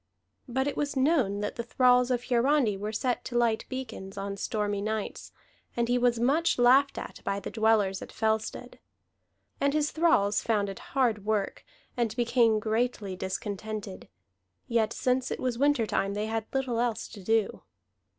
But it was known that the thralls of Hiarandi were set to light beacons on stormy nights, and he was much laughed at by the dwellers at Fellstead. And his thralls found it hard work, and became greatly discontented; yet since it was winter time, they had little else to do.